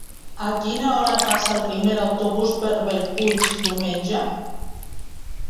A quina hora passa el primer autobús per Bellpuig diumenge?